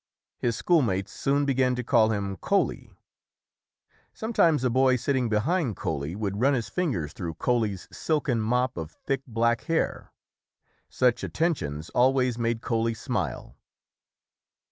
His schoolmates soon began to call him "Coaly". Sometimes a boy sitting behind "Coaly" would run his fingers through "Coaly's" silken mop of thick, black hair. Such attentions always made "Coaly" smile.